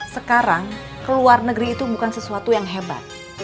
sekarang keluar negeri itu bukan sesuatu yang hebat